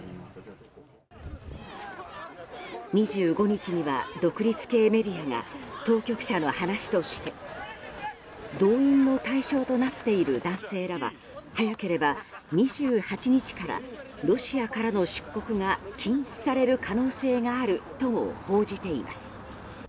２５日には、独立系メディアが当局者の話として動員の対象となっている男性らは早ければ２８日からロシアからの出国が禁止される可能性があるとも報じています。